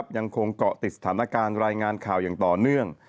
ยังคงเกาะติดสถานการณ์รายงานข่าวอย่างต่อเนื่อง